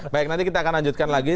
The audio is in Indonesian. baik nanti kita akan lanjutkan lagi